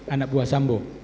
anak buah sambo